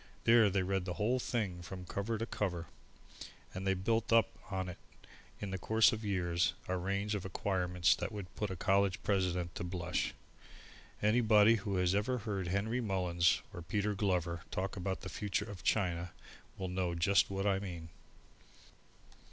There they read the whole thing from cover to cover, and they build up on it, in the course of years, a range of acquirement that would put a college president to the blush. Anybody who has ever heard Henry Mullins and Peter Glover talk about the future of China will know just what I mean.